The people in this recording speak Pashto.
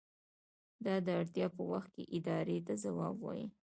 دا د اړتیا په وخت ادارې ته ځواب وايي.